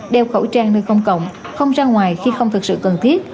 đeo khẩu trang nơi công cộng không ra ngoài khi không thực sự cần thiết